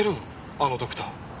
あのドクター。